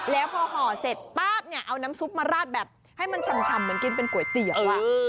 แล้วพอห่อเสร็จป๊าบเนี่ยเอาน้ำซุปมาราดแบบให้มันชำเหมือนกินเป็นก๋วยเตี๋ยว